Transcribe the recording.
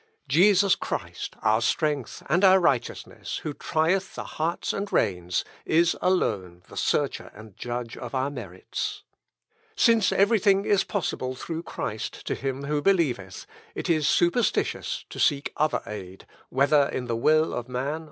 "Jesus Christ, our strength and our righteousness, who trieth the hearts and reins, is alone the Searcher and Judge of our merits. "Since everything is possible through Christ to him who believeth, it is superstitious to seek other aid, whether in the will of man or in the saints."